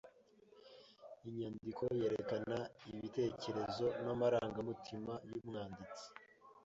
Inyandiko yerekana ibitekerezo n'amarangamutima y'umwanditsi.